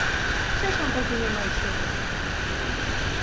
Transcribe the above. ¡Sexa un pouquiño máis seria!